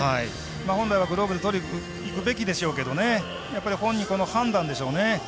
本来はグローブでとりにいくべきでしょうけど本人、この判断でしょうね。